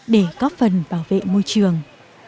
để có phần bảo vệ môi trường